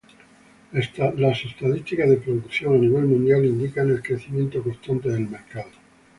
Las estadísticas de producción a nivel mundial indican el crecimiento constante del mercado.